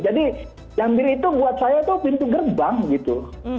jadi gambir itu buat saya itu pintu gerbang gitu